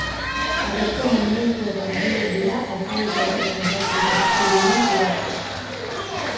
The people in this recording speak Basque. Harrizko monumentuetan eginak dira alfabeto horretan idatzirik aurkitu diren idatziak.